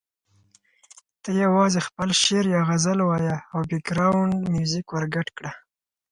ته یوازې خپل شعر یا غزل وایه او بېکګراونډ میوزیک ورګډ کړه.